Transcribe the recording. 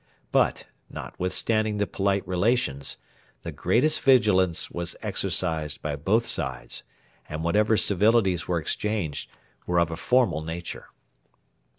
But, notwithstanding the polite relations, the greatest vigilance was exercised by both sides, and whatever civilities were exchanged were of a formal nature.